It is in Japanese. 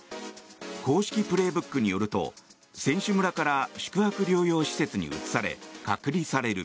「公式プレーブック」によると選手村から宿泊療養施設に移され隔離される。